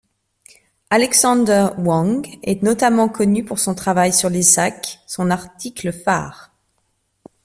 Alexander Wang est notamment connu pour son travail sur les sacs, son article phare.